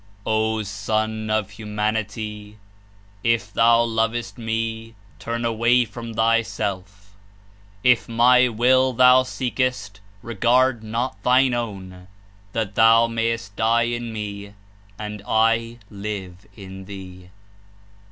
^'O Son of HiimauUy! If thou loves t Me turn azvay from thyself: if my JFill thou seekest regard not thine ozvn, that thou may est die in Me, and I live in thee."